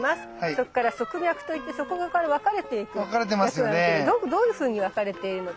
そっから側脈といってそこから分かれていく脈があるけどどういうふうに分かれているのか。